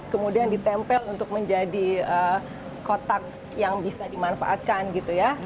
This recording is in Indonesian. kemudian ditempel untuk menjadi kotak yang bisa dimanfaatkan gitu ya